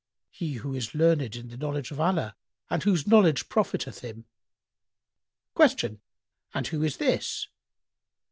"—"He who is learned in the knowledge of Allah and whose knowledge profiteth him." Q "And who is this?"